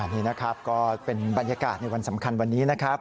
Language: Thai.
นี่นะครับก็เป็นบรรยากาศในวันสำคัญวันนี้นะครับ